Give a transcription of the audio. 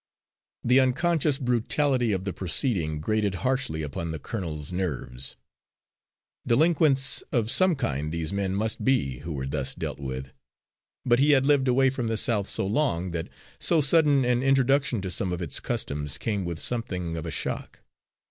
The unconscious brutality of the proceeding grated harshly upon the colonel's nerves. Delinquents of some kind these men must be, who were thus dealt with; but he had lived away from the South so long that so sudden an introduction to some of its customs came with something of a shock.